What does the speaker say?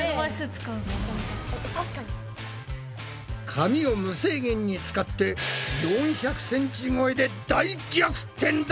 紙を無制限に使って４００ｃｍ超えで大逆転だ！